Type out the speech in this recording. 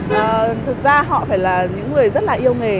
và thực ra họ phải là những người rất là yêu nghề